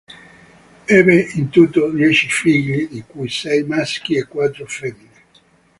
Ebbe in tutto dieci figli, di cui sei maschi e quattro femmine.